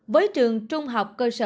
với trường trung học cơ sở